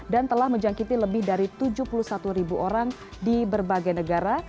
telah menjangkiti lebih dari tujuh puluh satu ribu orang di berbagai negara